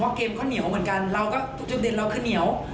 เพราะว่าเกมเขาเหนียวเหมือนกันจุดเด็ดเราคือเหนียว